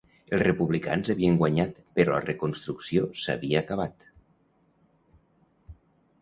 Els republicans havien guanyat, però la Reconstrucció s’havia acabat.